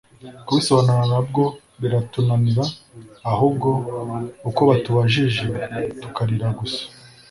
kubisobanura nabwo biratunanira ahubwo uko batubajije tukarira gusa